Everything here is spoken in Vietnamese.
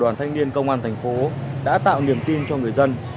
đoàn thanh niên công an thành phố đã tạo niềm tin cho người dân